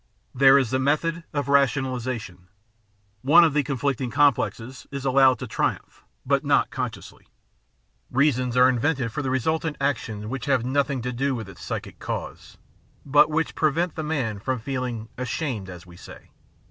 There is the method of rationalisation. One of the conflicting complexes is allowed to triumph, but not consciously. Reasons are invented for the resultant action which have nothing to do with its psychic causes, but which prevent the man from feeling "ashamed" as we say.